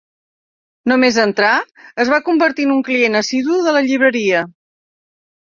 Només entrar, es va convertir en un client assidu de la llibreria.